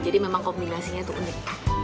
jadi memang kombinasinya itu unik